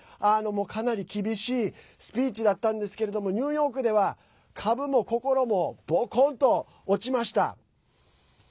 かなり厳しいスピーチだったんですけれどもニューヨークでは株も心もボコンと落ちました。